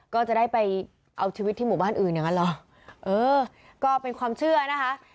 ก็จะได้ไปเอาชีวิตที่หมู่บ้านอื่นอย่างนั้นเหรอเออก็เป็นความเชื่อนะคะ